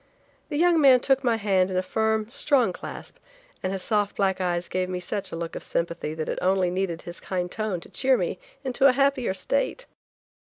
The young man took my hand in a firm, strong clasp, and his soft black eyes gave me such a look of sympathy that it only needed his kind tone to cheer me into a happier state.